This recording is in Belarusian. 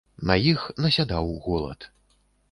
На іх насядаў голад.